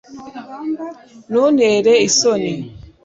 ntuntere isoni